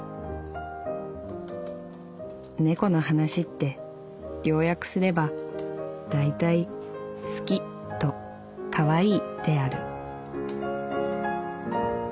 「猫の話って要約すればだいたい『好き』と『かわいい』である」。